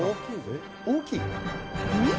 「大きいぞ？」